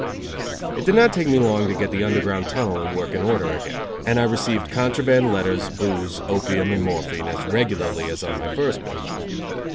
It did not take me long to get the Underground Tunnel in working order again, and I received contraband letters, booze, opium and morphine as regularly as on my first bit.